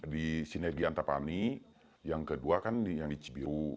di sinergi antapani yang kedua kan yang di cibiru